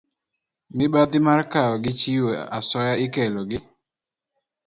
Mibadhi mar kawo gi chiwo asoya ikelo gi